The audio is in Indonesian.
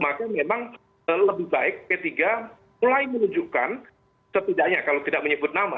maka memang lebih baik p tiga mulai menunjukkan setidaknya kalau tidak menyebut nama